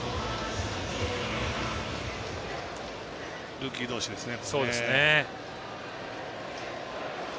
ルーキー同士ですね。